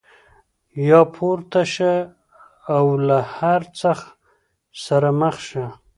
یا راپورته شه او له هر څه سره مخ شه.